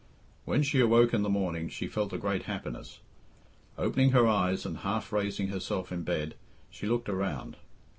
When she awoke in the morning she felt a great happiness. Opening her eyes and half raising herself in bed, she looked around.